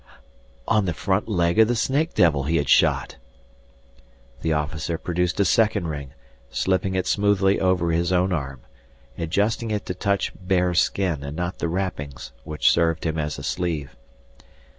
On the front leg of the snake devil he had shot! The officer produced a second ring, slipping it smoothly over his own arm, adjusting it to touch bare skin and not the wrappings which served him as a sleeve.